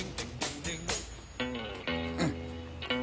うん！